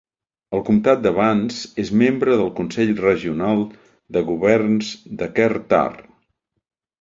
El comtat de Vance és membre del Consell Regional de governs de Kerr-Tar.